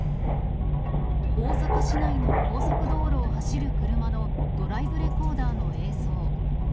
大阪市内の高速道路を走る車のドライブレコーダーの映像。